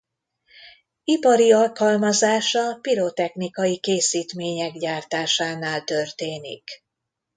Ipari alkalmazása pirotechnikai készítmények gyártásánál történik.